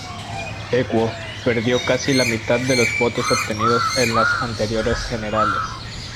Equo perdió casi la mitad de los votos obtenidos en las anteriores generales.